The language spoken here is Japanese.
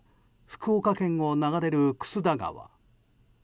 福岡県を流れる楠田川。